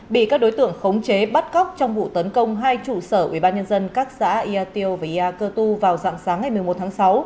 bị các đối tượng khống chế bắt cóc trong vụ tấn công hai trụ sở ủy ban nhân dân các xã ia tiêu và ia cơ tu vào dặn sáng ngày một mươi một tháng sáu